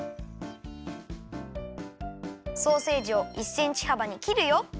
ソーセージを１センチはばにきるよ。